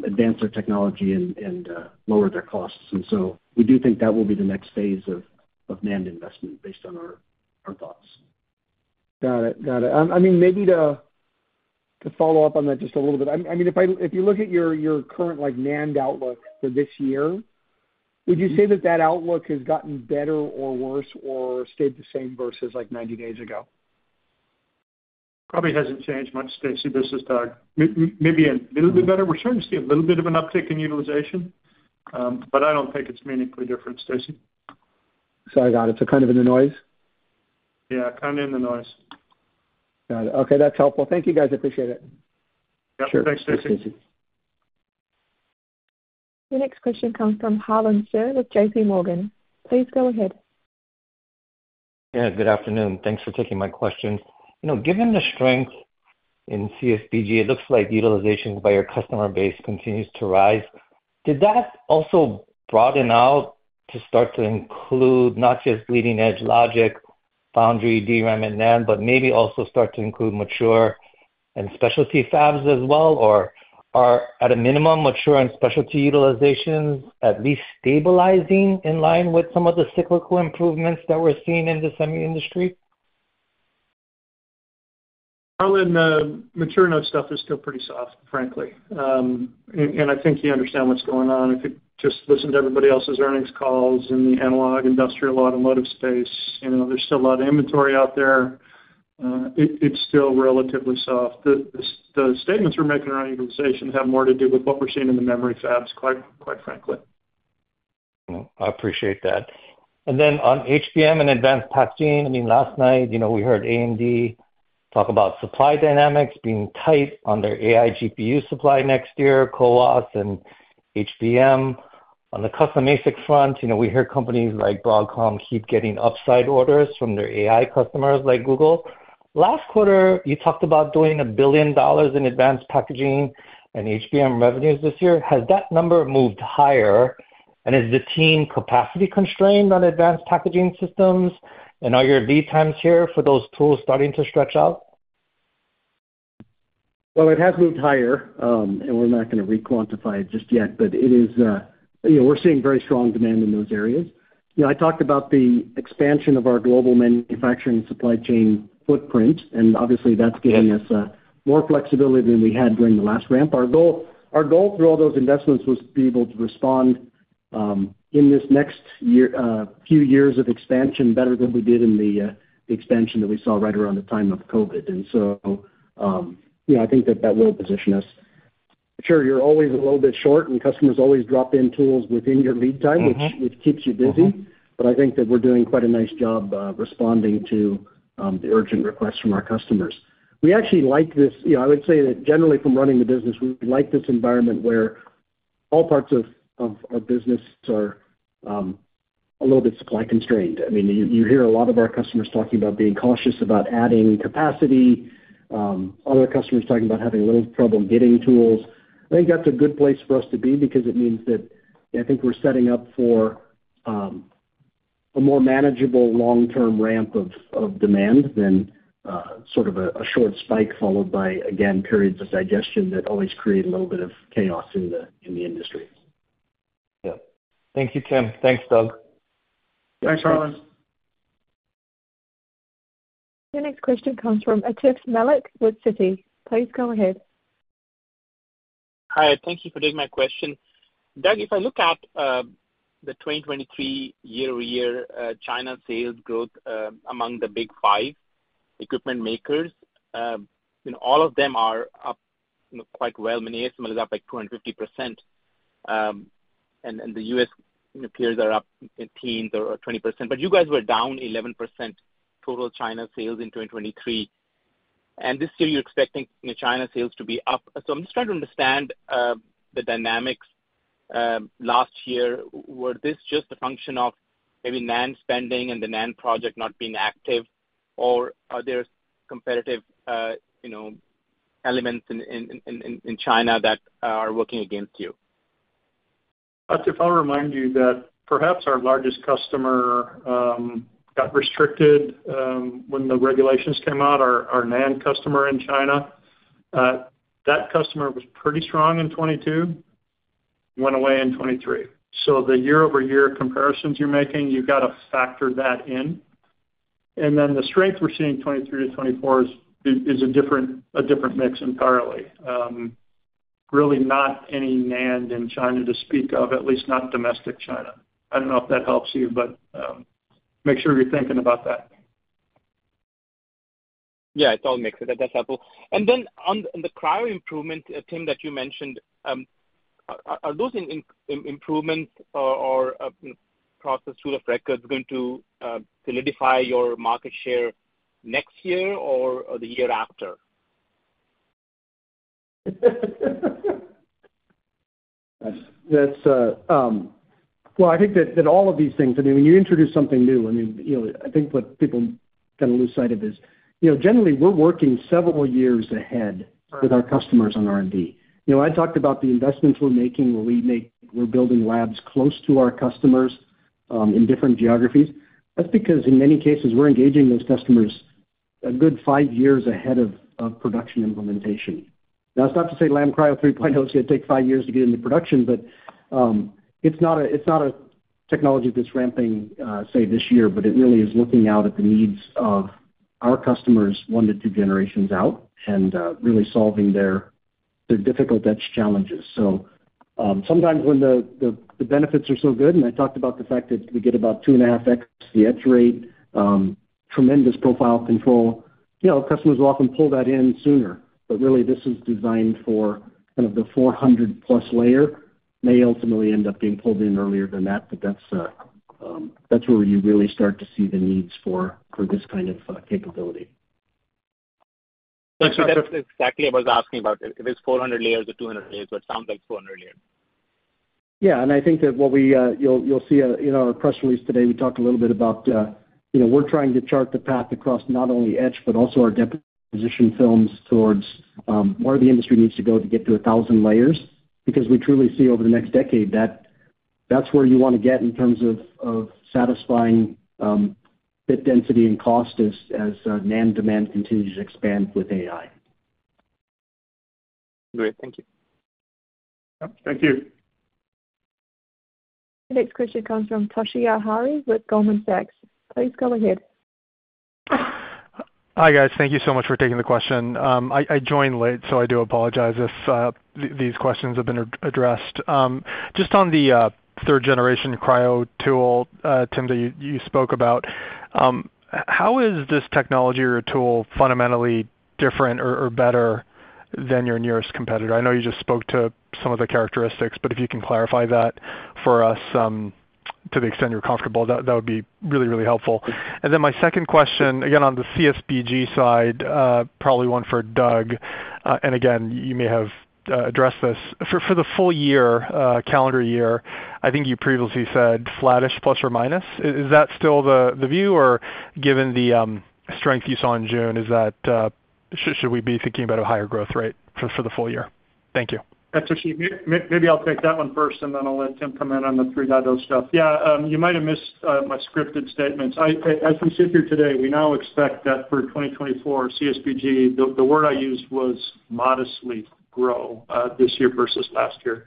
advance their technology and lower their costs. And so we do think that will be the next phase of NAND investment based on our thoughts. Got it, got it. I mean, maybe to follow up on. That's just a little bit, I mean. If you look at your current like NAND outlook for this year, would you say that that outlook has gotten better? Or worse or stayed the same versus like 90 days ago. Probably hasn't changed much. Stacy, this is Doug. Maybe a little bit better. We're starting to see a little bit of an uptick in utilization, but I don't think it's meaningfully different, Stacy. Sorry. Got it. Kind of in the noise. Yeah, kind of in the noise. Okay, that's helpful. Thank you guys. I appreciate it. Thanks Stacey. The next question comes from Harlan Sur with J.P. Morgan, please go ahead. Yeah, good afternoon. Thanks for taking my question. You know, given the strength in CSBG, it looks like utilization by your customer base continues to rise. Did that also broaden out to start? To include not just leading-edge logic foundry, DRAM and NAND, but maybe also. Start to include mature and specialty fabs as well? Or at a minimum mature and. Specialty utilizations at least stabilizing in line with some of the cyclical improvements that. We're seeing in the semi industry. All-in mature node stuff is still pretty soft frankly. I think you understand what's going on if you just listen to everybody else's earnings calls in the analog industrial automotive space, you know, there's still a lot of inventory out there. It's still relatively soft. The statements we're making around utilization have more to do with what we're seeing in the memory fabs, quite frankly. I appreciate that. Then on HBM and Advanced Packaging, I mean last night, you know, we. Heard AMD talk about supply dynamics being. Tight on their AI GPU supply next. year CoWoS and HBM. On the custom ASIC front, we hear companies like Broadcom keep getting upside orders from their AI customers like Google. Last quarter you talked about doing $1 billion in advanced packaging and HBM revenues this year, has that number moved? Higher, and is the team capacity constrained? On Advanced Packaging systems? And are your lead times here for. Those tools starting to stretch out? Well, it has moved higher and we're not going to requantify it just yet, but it is, you know, we're seeing very strong demand in those areas. You know, I talked about the expansion of our global manufacturing supply chain footprint and obviously that's giving us more flexibility than we had during the last ramp. Our goal through all those investments was. To be able to respond in this next few years of expansion better than we did in the expansion that we saw right around the time of COVID. And so I think that that will position us. Sure, you're always a little bit short and customers always drop in tools within your lead time, which keeps you busy. But I think that we're doing quite a nice job responding to the urgent requests from our customers. We actually like this. I would say that generally from running the business, we like this environment where all parts of our business are a little bit supply constrained. I mean, you hear a lot of our customers talking about being cautious about adding capacity, other customers talking about having a little trouble getting tools. I think that's a good place for us to be because it means that I think we're setting up for a more manageable long term ramp of demand than sort of a short spike followed by again periods of digestion that always create a little bit of chaos in the industry. Thank you, Tim. Thanks, Doug. Thanks, Harlan. The next question comes from Atif Malik with Citi. Please go ahead. Hi. Thank you for taking my question, Doug. If I look at the 2023 year-over-year China sales growth among the big five equipment makers, all of them are up quite well. ASML is up like 250% and the U.S. peers are up teens or 20%. But you guys were down 11% total China sales in 2023 and this year you're expecting China sales to be up. So I'm just trying to understand the dynamics last year were this just a function of maybe NAND spending and the NAND project not being active or are there competitive elements in China that are working against you? If I'll remind you that perhaps our largest customer got restricted when the regulations came out, our NAND customer in China, that customer was pretty strong in 2022, went away in 2023. So the year-over-year comparisons you're making, you've got to factor that in. And then the strength we're seeing 2023 to 2024 is a different mix entirely. Really not any NAND in China to speak of, at least not domestic China. I don't know if that helps you, but make sure you're thinking about that. Yeah, it all makes sense. That does. Helpful. Then, on the cryo improvement, Tim, that you mentioned, are those improvements or process rules of record going to solidify your market share next year or the year after? Well, I think that all of these. Things, I mean when you introduce something new, I think what people kind of lose sight of is generally we're working several years ahead with our customers on R and D. I talked about the investments we're making where we're building labs close to our customers in different geographies. That's because in many cases we're engaging those customers a good five years ahead of production implementation. Now it's not to say, Lam Cryo 3.0 is going to take five years to get into production. But it's not a technology that's ramping, say this year, but it really is looking out at the needs of our customers one to two generations out and really solving their difficult etch challenges. So sometimes when the benefits are so good, and I talked about the fact that we get about 2.5x the etch rate, tremendous profile control, customers will often pull that in sooner. But really this is designed for kind of the 400 layer may ultimately end up being pulled in earlier than that. But that's where you really start to see the needs for this kind of capability. That's exactly what I was asking about. If it's 400 layers or 200 layers, but it sounds like 400 layers. Yeah. And I think that what we, you'll see in our press release today, we talked a little bit about, you know, we're trying to chart the path across not only etch, but also our deposition films towards where the industry needs to go to get to 1000 layers. Because we truly see over the next decade that that's where you want to get in terms of satisfying bit density and cost as NAND demand continues to expand with AI. Great, thank you, thank you. Next question comes from Toshiya Hari with Goldman Sachs. Please go ahead. Hi guys. Thank you so much for taking the question. I joined late, so I do apologize if these questions have been addressed just on the third generation cryo tool, Tim, that you spoke about. How is this technology or tool fundamentally different or better than your nearest competitor? I know you just spoke to some of the characteristics, but if you can clarify that for us to the extent you're comfortable, that would be really, really helpful. And then my second question, again on the CSBG side, probably one for Doug. And again, you may have addressed this for the full year, calendar year. I think you previously said flattish plus or minus. Is that still the view or given the strength you saw in June, is that should we be thinking about a higher growth rate for the full year? Thank you. That's Tim. Maybe I'll take that one first and then I'll let Tim come in on the 3.0 stuff. Yeah, you might have missed my scripted statements as we sit here today. We now expect that for 2020, the word I used was modestly grow this year versus last year.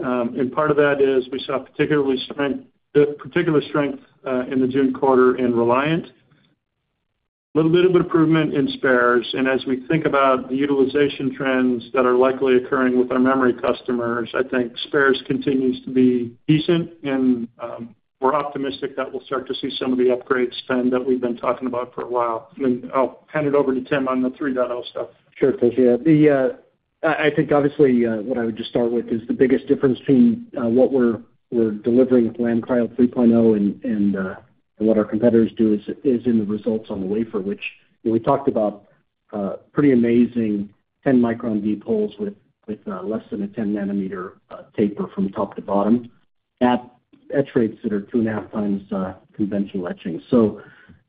Part of that is we saw particular strength in the June quarter in Reliant, little bit of improvement in spares. As we think about the utilization trends that are likely occurring with our memory customers. I think spares continues to be decent and we're optimistic that we'll start to see some of the upgrade spend that we've been talking about for a while. I'll hand it over to Tim on the 3.0 stuff. Sure, Doug. I think obviously what I would just start with is the biggest difference between what we're delivering with Lam Cryo 3.0 and what our competitors do is in the results on the wafer, which we talked about: pretty amazing 10-micron deep holes with less than a 10-nanometer taper from top to bottom at etch rates that are 2.5 times conventional etching. So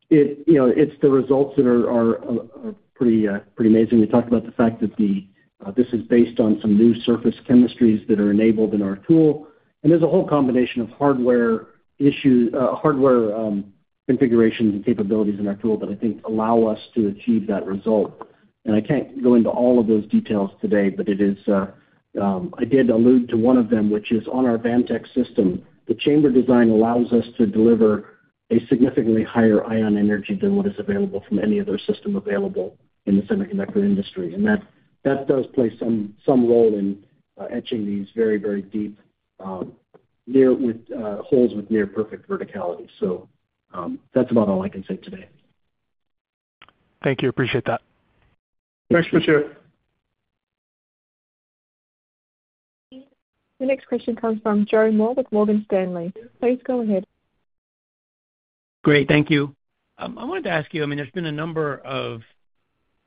it's the results that are pretty amazing. We talked about the fact that this is based on some new surface chemistries that are enabled in our tool, and there's a whole combination of hardware configurations and capabilities in our tool that I think allow us to achieve that result. And I can't go into all of those details today, but it is, I did allude to one of them, which is on our Vantex system. The chamber design allows us to deliver a significantly higher ion energy than what is available from any other system available in the semiconductor industry. That does play some role in etching these very, very deep holes with near perfect verticality. That's about all I can say today. Thank you. Appreciate that. Thanks for. The next question comes from Joseph Moore with Morgan Stanley. Please go ahead. Great, thank you. I wanted to ask you, I mean. There's been a number of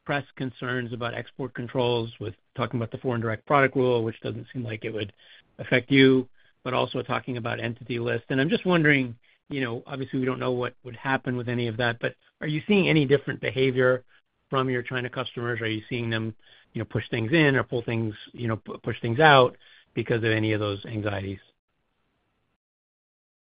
press concerns about export controls with talking about the Foreign Direct Product Rule, which doesn't seem like it would affect you, but also talking about Entity List and I'm just wondering, obviously we don't know what would happen with any of that, but are you seeing any different behavior from your China customers? Are you seeing them push things in or pull things, push things out because of any of those anxieties?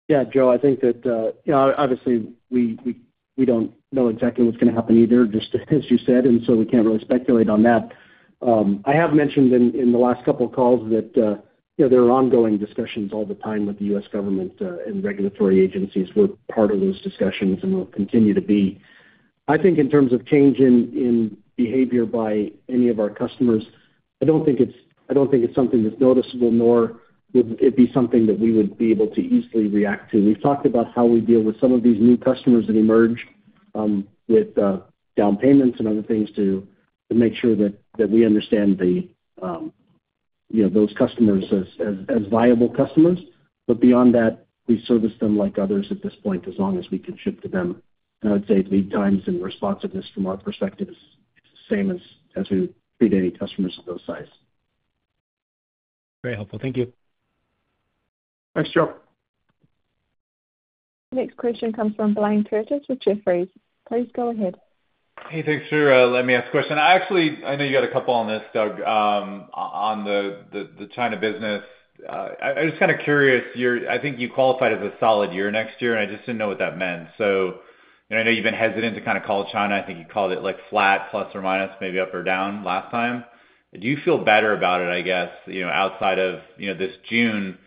Yeah, Joseph, I think that obviously we don't know exactly what's going to happen either, just as you said. And so we can't really speculate on that. I have mentioned in the last couple of calls that there are ongoing discussions all the time with the U.S. Government and regulatory agencies where part of those discussions and will continue to be, I think in terms of change in behavior by any of our customers. I don't think it's something that's noticeable nor would it be something that we would be able to easily react to. We've talked about how we deal with some of these new customers that emerge with down payments and other things to make sure that we understand those customers as viable customers. But beyond that, we service them like others at this point as long as we can ship to them. And I would say lead times and responsiveness from our perspective is same as we treat any customers of those size. Very helpful, thank you. Thanks, Joseph. Next question comes from Blayne Curtis with Jefferies. Please go ahead. Hey, thanks for letting me ask a question. Actually, I know you got a couple on this, Doug, on the China business. I was kind of curious. I think you qualified as a solid year next year and I just didn't know what that meant. So I know you've been hesitant to kind of call China. I think you called it like flat plus or minus maybe up or down last time. Do you feel better about it? I guess outside of this June?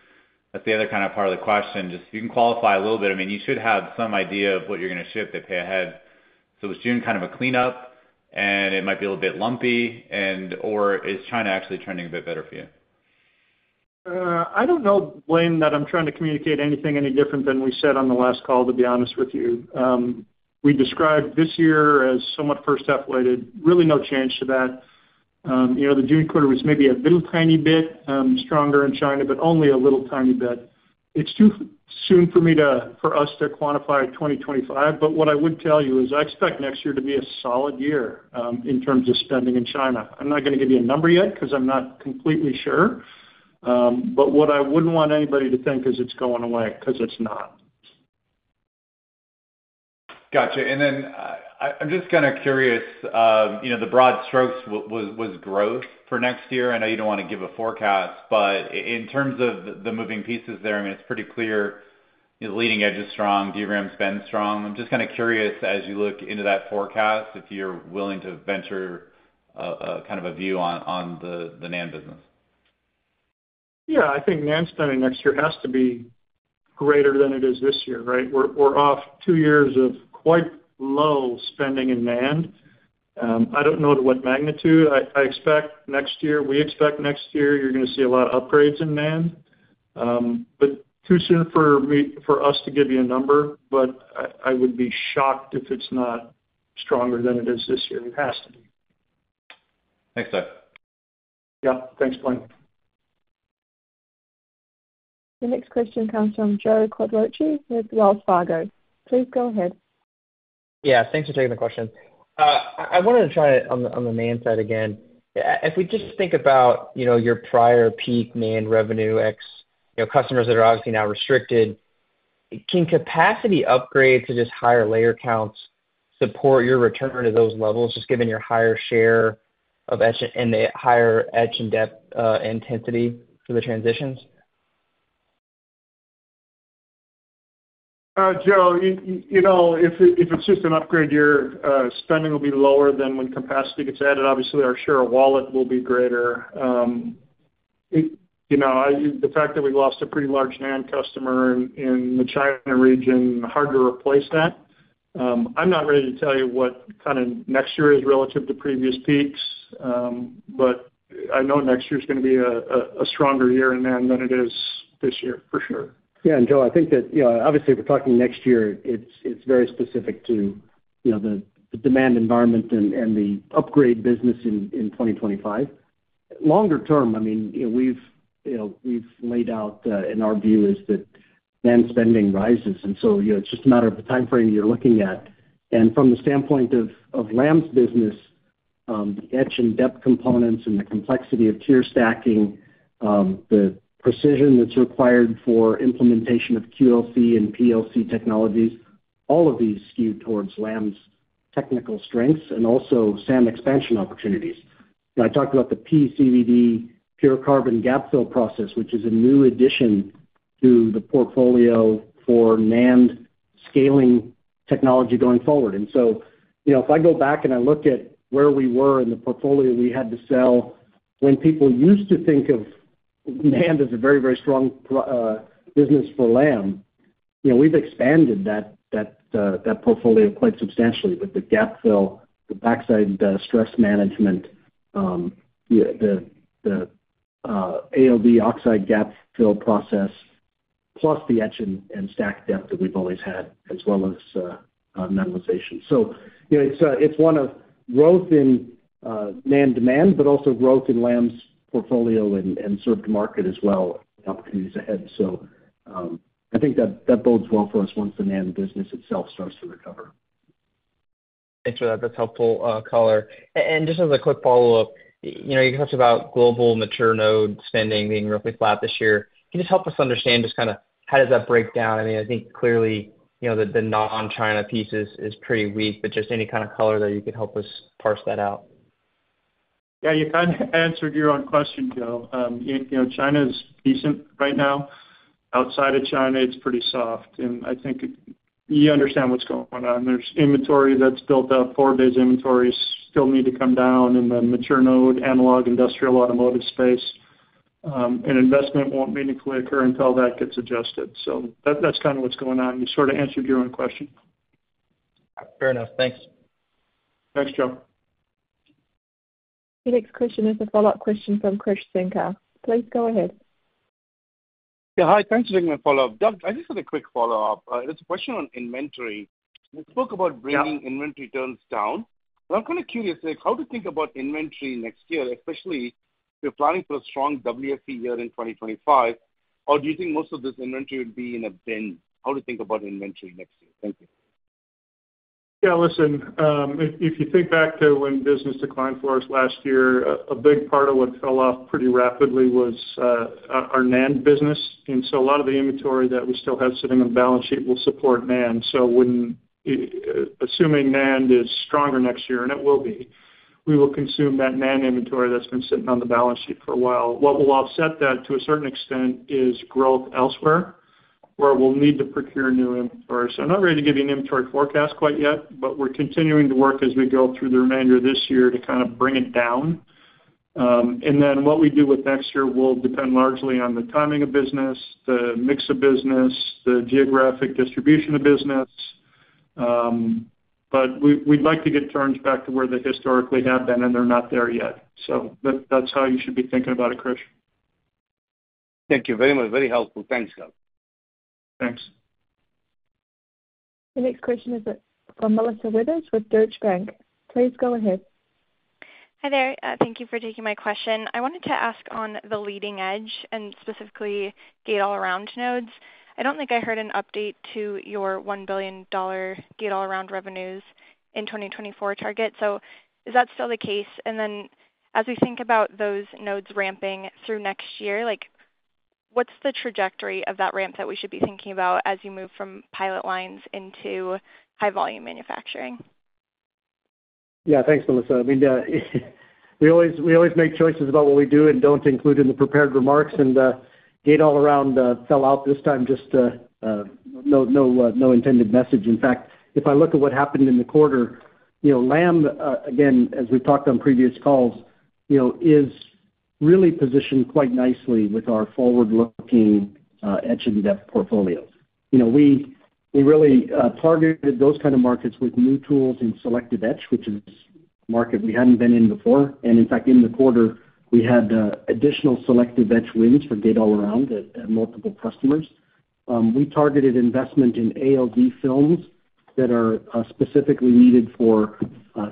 That's the other kind of part of the question. Just you can qualify a little bit. I mean, you should have some idea of what you're going to ship. They pay ahead. So it's June, kind of a cleanup and it might be a little bit lumpy. Or is China actually trending a bit better for you? I don't know, Blayne, that I'm trying to communicate anything any different than we said on the last call, to be honest with you. We described this year as somewhat front half weighted. Really no change to that. The June quarter was maybe a little tiny bit stronger in China, but only a little tiny bit. It's too soon for us to quantify 2025. But what I would tell you is I expect next year to be a solid year in terms of spending in China. I'm not going to give you a number yet because I'm not completely sure. But what I wouldn't want anybody to think is it's going away because it's not. Gotcha. I'm just kind of curious. The broad strokes was growth for next year. I know you don't want to give a forecast, but in terms of the moving pieces there, I mean it's pretty clear the leading edge is strong. DRAM's been strong. I'm just kind of curious as you look into that forecast, if you're willing to venture kind of a view on the NAND business. Yeah, I think NAND spending next year has to be greater than it is this year. Right. We're off two years of quite low spending in NAND. I don't know to what magnitude. I expect next year. We expect next year. You're going to see a lot of upgrades in NAND, but too soon for us to give you a number. But I would be shocked if it's not stronger than it is this year. It has to be. Thanks, Doug. Yeah, thanks Blayne. The next question comes from Joseph Quatrochi with Wells Fargo. Please go ahead. Yeah, thanks for taking the question. I wanted to try on the NAND side again. If we just think about your prior peak NAND revenue ex-customers that are obviously now restricted, can capacity upgrades to just higher layer counts support your return to those levels? Just given your higher share and the higher etch and depth intensity for the transitions? Joseph, you know, if it's just an upgrade, your spending will be lower than when capacity gets added. Obviously our share of wallet will be greater. You know, the fact that we lost a pretty large NAND customer in the China region, hard to replace that. I'm not ready to tell you what kind of next year is relative to previous peaks, but I know next year is going to be a stronger year in NAND than it is this year for sure. Yeah. And Joseph, I think that, you know, obviously if we're talking next year, it's very specific to the demand environment and the Upgrade business in 2025. Longer term, I mean we've laid out in our view is that demand spending rises and so it's just a matter of the time frame you're looking at and from the standpoint of Lam's business, the etch and dep components and the complexity of tier stacking, the precision that's required for implementation of QLC and PLC technologies, all of these skewed towards Lam's technical strengths and also spares expansion opportunities. I talked about the PECVD pure carbon gap fill process which is a new addition to the portfolio for NAND scaling technology going forward. And so if I go back and. I look at where we were in. The portfolio we had to sell when people used to think of NAND is a very, very strong producer business for Lam. You know, we've expanded that portfolio quite substantially with the gap fill, the backside stress management, the ALD oxide gap fill process, plus the etch and stack depth that we've always had, as well as metallization. So it's one of growth in NAND but also growth in Lam's portfolio and served market as well, opportunities ahead. So I think that bodes well for us once the NAND business itself starts to recover. Thanks for that, that's helpful. Color. And just as a quick follow up, you know you talked about global mature node spending being roughly flat this year. Can you just help us understand just kind of how does that break down? I mean, I think clearly, you know, that the non-China piece is pretty weak, but just any kind of color that you could help us parse that out. Yeah, you kind of answered your own question, Joseph. You know, China is decent right now. Outside of China it's pretty soft and I think you understand what's going on. There's inventory that's built up four days. Inventories still need to come down in the mature node. Analog, industrial, automotive space and investment won't meaningfully occur until that gets adjusted. So that's kind of what's going on. You sort of answered your own question. Fair enough. Thanks. Thanks, John. The next question is a follow up question from Krish Sankar. Please go ahead. Hi. Thanks for taking my follow-up, Doug. I just had a quick follow-up. It's a question on inventory. We spoke about bringing inventory turns down. I'm kind of curious how to think about inventory next year, especially if you're planning for a strong WFE year in 2025 or do you think most of this inventory would be in a bin? How to think about inventory next year. Thank you. Yeah, listen, if you think back to when business declined for us last year, a big part of what fell off pretty rapidly was our NAND business. And so a lot of the inventory that we still have sitting on the balance sheet will support NAND. So when assuming NAND is stronger next year and it will be, we will consume that NAND inventory that's been sitting on the balance sheet for a while. What will offset that to certain extent is growth elsewhere where we'll need to procure new inventory. So I'm not ready to give you an inventory forecast quite yet. But we're continuing to work as we go through the remainder of this year to kind of bring it down. And then what we do with next year will depend largely on the timing of business, the mix of business, the geographic distribution of business. But we'd like to get turns back to where they historically have been and they're not there yet. So that's how you should be thinking about it. Krish, thank you very much. Very helpful. Thanks Gav. Thanks. The next question is from Melissa Weathers with Deutsche Bank. Please go ahead. Hi there. Thank you for taking my question. I wanted to ask on the leading edge and specifically Gate-All-Around nodes. I don't think I heard an update to your $1 billion Gate-All-Around revenues in 2024 target. So is that still the case? And then as we think about those nodes ramping through next year. Like what's the trajectory of that ramp that we should be thinking about as you move from pilot lines into high volume manufacturing? Yeah, thanks, Melissa. I mean, we always make choices about what we do and don't include in the prepared remarks. Gate-All-Around fell out this time. Just. No intended message. In fact, if I look at what happened in the quarter, Lam again, as we've talked on previous calls, is really positioned quite nicely with our forward-looking etch in depth portfolios. We really targeted those kind of markets with new tools in selective etch, which is a market we hadn't been in before. And in fact in the quarter we had additional selective etch wins for gate-all-around multiple customers. We targeted investment in ALD films that are specifically needed for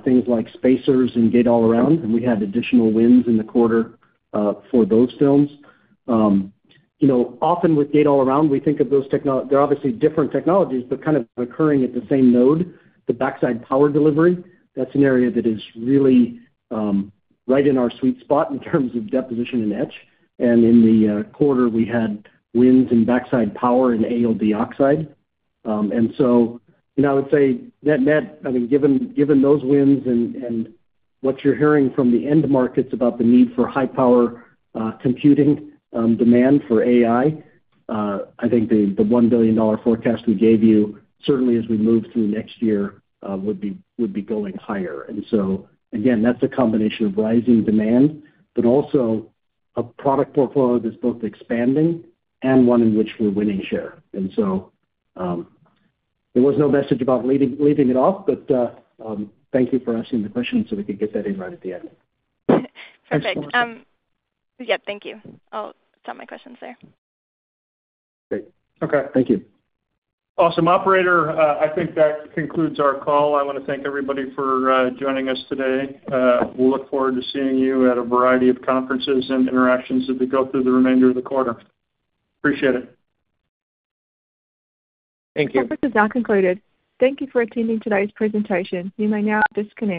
things like spacers and gate-all-around and we had additional wins in the quarter for those films. You know, often with gate-all-around we think of those technologies, they're obviously different technologies, but kind of occurring at the same node. The backside power delivery, that's an area that is really right in our sweet spot in terms of deposition and etching. In the quarter we had wins in backside power and ALD oxide. So I would say net. Net. I mean, given, given those wins and what you're hearing from the end markets about the need for high power computing, demand for AI, I think the $1 billion forecast we gave you certainly as we move through next year would be, would be going higher. And so again, that's a combination of rising demand but also a product portfolio that's both expanding and one in which we're winning share. And so there was no message about leaving it off, but thank you for asking the question so we could get that in right at the end. Perfect. Yeah, thank you. I'll stop my questions there. Great. Okay, thank you. Awesome operator. I think that concludes our call. I want to thank everybody for joining us today. We look forward to seeing you at a variety of conferences and interactions as we go through the remainder of the quarter. Appreciate it. Thank you. The conference has now concluded. Thank you for attending today's presentation. You may now disconnect.